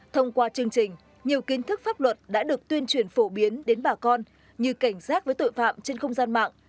thông qua chương trình nhiều kiến thức pháp luật đã được tuyên truyền phổ biến đến bà con như cảnh giác với tội phạm trên không gian mạng